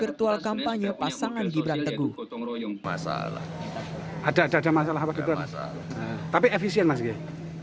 virtual kampanye pasangan gibran teguh masalah ada ada masalah apa juga tapi efisien masih